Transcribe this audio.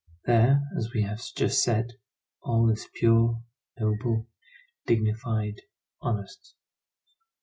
There, as we have just said, all is pure, noble, dignified, honest.